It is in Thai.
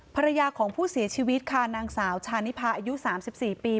ภรรยาของผู้เสียชีวิตค่ะนางสาวชานิพาอายุ๓๔ปี